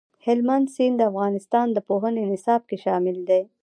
هلمند سیند د افغانستان د پوهنې نصاب کې شامل دي.